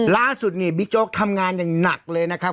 ล่าสุดนี่บิ๊กโจ๊กทำงานอย่างหนักเลยนะครับ